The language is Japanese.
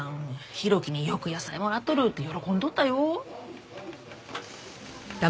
浩喜によく野菜もらっとるって喜んどったよ。